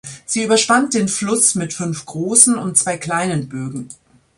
Sie überspannt den Fluss mit fünf großen und zwei kleinen Bögen.